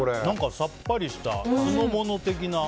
さっぱりした酢の物的な。